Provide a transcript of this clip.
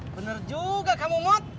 bener juga kang mut